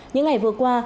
những ngày vừa qua